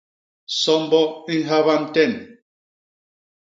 Sombo i nhaba nten.